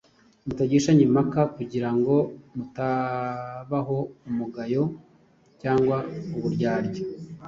mutagishanya impaka kugira ngo mutabaho umugayo cyangwa uburyarya,